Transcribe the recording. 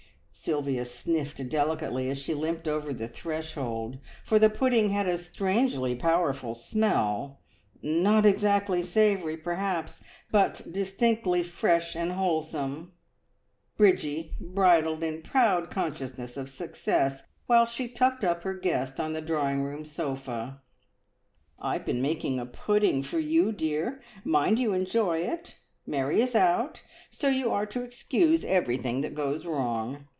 Sylvia sniffed delicately as she limped over the threshold, for the pudding had a strangely powerful smell, not exactly savoury perhaps, but distinctly fresh and wholesome. Bridgie bridled in proud consciousness of success the while she tucked up her guest on the drawing room sofa. "I've been making a pudding for you, dear. Mind you enjoy it! Mary is out, so you are to excuse everything that goes wrong.